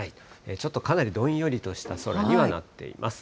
ちょっとかなりどんよりとした空にはなっています。